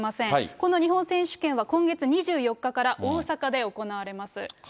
この日本選手権は今月２４日から、大阪で行われます。